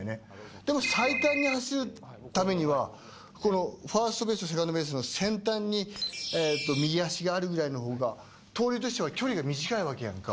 でも、最短に走るためにはファーストベースとセカンドベースの先端に右足があるくらいのほうが盗塁としては距離が短いわけやんか。